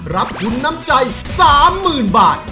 รับทุนน้ำใจ๓๐๐๐บาท